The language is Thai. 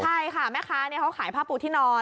ใช่ค่ะแม่ค้าเขาขายผ้าปูที่นอน